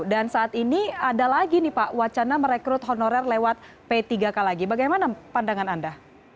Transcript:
dan saat ini ada lagi nih pak wacana merekrut honore lewat p tiga k lagi bagaimana pandangan anda